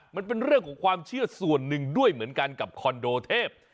มันเป็นเรื่องของความเชื่อส่วนหนึ่งด้วยเหมือนกันกับคอนโดเทพ